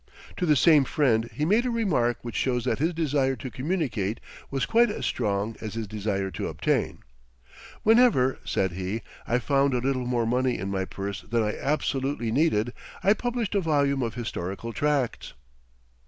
To the same friend he made a remark which shows that his desire to communicate was quite as strong as his desire to obtain. "Whenever," said he, "I found a little more money in my purse than I absolutely needed, I published a volume of historical tracts."